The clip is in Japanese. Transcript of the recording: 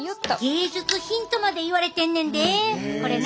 芸術品とまでいわれてんねんでこれな。